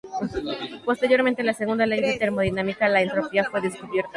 Posteriormente, la segunda ley de la termodinámica, la entropía, fue descubierta.